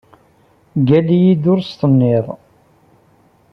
Ggall-iyi-d ur s-tenniḍ!